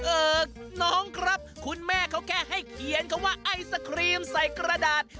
เออน้องครับคุณแม่เขาแค่ให้เขียนคำว่าไอศครีมใส่กระดาษ